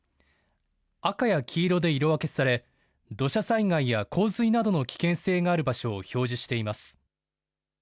赤や黄色で色分けされ土砂災害や洪水などの危険性がある場所を表示しています。